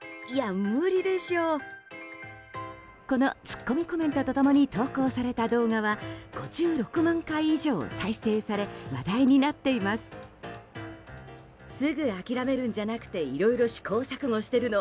このツッコミコメントと共に投稿された動画は５６万回以上再生され話題になっています。